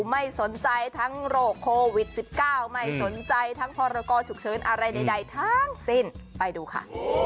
ไม่สนใจทั้งโรคโควิด๑๙ไม่สนใจทั้งพรกรฉุกเฉินอะไรใดทั้งสิ้นไปดูค่ะ